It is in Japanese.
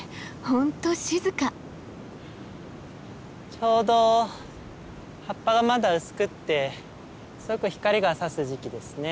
ちょうど葉っぱがまだ薄くてすごく光がさす時期ですね。